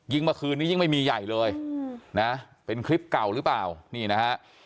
เมื่อคืนนี้ยิ่งไม่มีใหญ่เลยนะเป็นคลิปเก่าหรือเปล่านี่นะฮะ